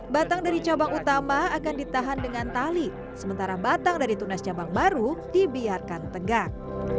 batang dari cabang utama akan ditahan dengan tali sementara batang dari tunas cabang baru dibiarkan tegak